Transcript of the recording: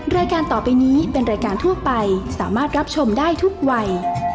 รายการต่อไปนี้เป็นรายการทั่วไปสามารถรับชมได้ทุกวัย